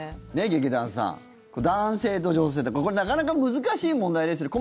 劇団さん、男性と女性ってなかなか難しい問題ですね。